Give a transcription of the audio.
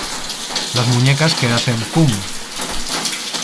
Las muñecas que hacen ¡pum!